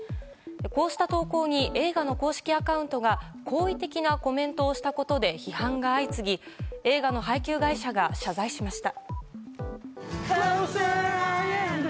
こうした投稿に映画の公式アカウントが好意的なコメントをしたことで批判が相次ぎ映画の配給会社が謝罪しました。